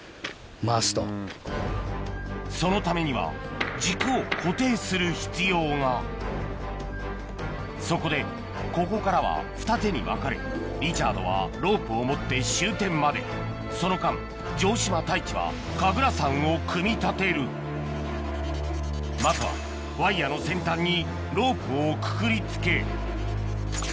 そのためには軸を固定する必要がそこでここからは二手に分かれリチャードはロープを持って終点までその間城島太一は神楽桟を組み立てるまずはじゃあいってきます！